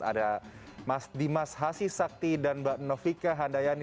ada mas dimas hasisakti dan mbak novika handayani